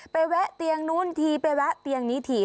แวะเตียงนู้นทีไปแวะเตียงนี้ที